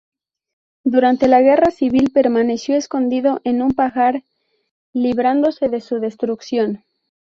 Durante la guerra civil permaneció escondido en un pajar, librándose de su destrucción.